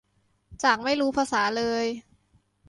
จากไม่รู้ภาษาเลย